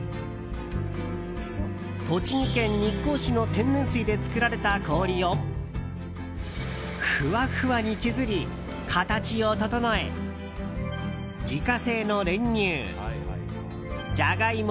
栃木県日光市の天然水で作られた氷をふわふわに削り、形を整え自家製の練乳ジャガイモ